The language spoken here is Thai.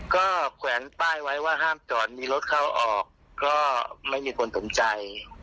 ก็แขวนป้ายไว้ว่าห้ามจอดมีรถเข้าออกก็ไม่มีคนสนใจ